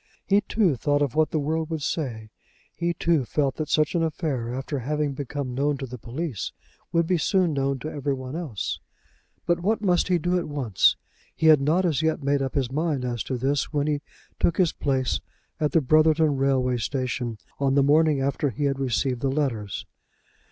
He too thought of what the world would say, he too felt that such an affair, after having become known to the police, would be soon known to every one else. But what must he do at once? He had not as yet made up his mind as to this when he took his place at the Brotherton Railway Station on the morning after he had received the letters.